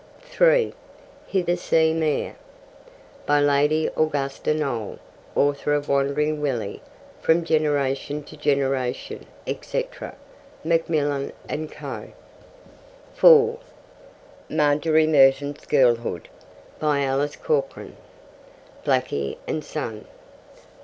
(3) Hithersea Mere. By Lady Augusta Noel, Author of Wandering Willie, From Generation to Generation, etc. (Macmillan and Co.) (4) Margery Merton's Girlhood. By Alice Corkran. (Blackie and Son.)